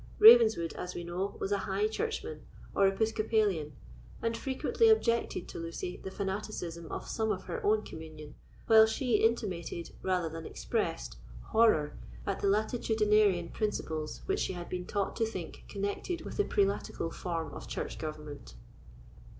Ravenswood, as we know, was a High Churchman, or Episcopalian, and frequently objected to Lucy the fanaticism of some of her own communion, while she intimated, rather than expressed, horror at the latitudinarian principles which she had been taught to think connected with the prelatical form of church government.